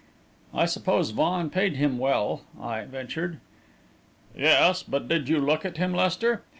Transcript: "I suppose Vaughan paid him well," I ventured. "Yes; but did you look at him, Lester?